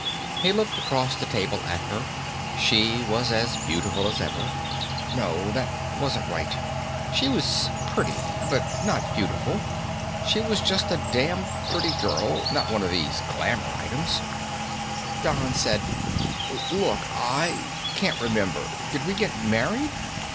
He looked across the table at her. She was as beautiful as ever. No, that wasn't right. She was pretty, but not beautiful. She was just a damn pretty girl, not one of these glamour items. Don said, "Look, I can't remember. Did we get married?"